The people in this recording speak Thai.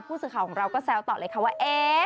ผู้สื่อข่าวของเราก็แซวต่อเลยค่ะว่า